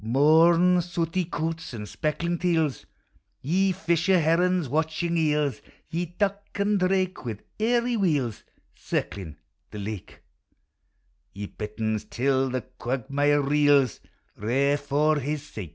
Mourn, sooty coots, and speckled teals, Ye fisher herons, watching eels; Ye duck and drake, wi' airy wheels Circling the lake; Ye bitterns, till the quagmire reels, Kair for his sake.